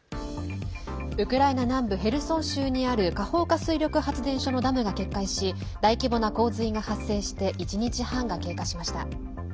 ウクライナ南部ヘルソン州にあるカホウカ水力発電所のダムが決壊し大規模な洪水が発生して１日半が経過しました。